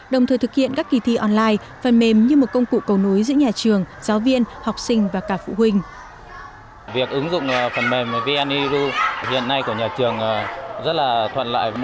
đồng thời thực hiện các kỳ thi online phần mềm như một công cụ cầu nối giữa nhà trường giáo viên học sinh và cả phụ huynh